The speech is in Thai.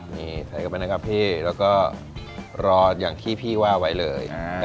นี่ใส่เข้าไปนะครับพี่แล้วก็รออย่างที่พี่ว่าไว้เลย